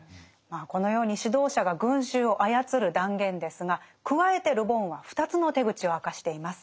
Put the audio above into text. このように指導者が群衆を操る断言ですが加えてル・ボンは２つの手口を明かしています。